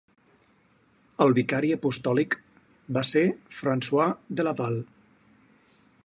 El vicari apostòlic va ser François de Laval.